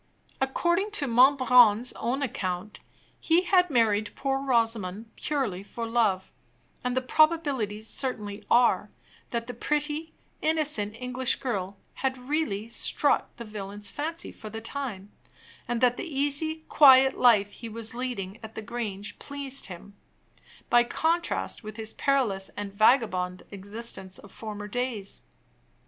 According to Monbrun's own account, he had married poor Rosamond purely for love; and the probabilities certainly are, that the pretty, innocent English girl had really struck the villain's fancy for the time; and that the easy, quiet life he was leading at the Grange pleased him, by contrast with his perilous and vagabond existence of former days.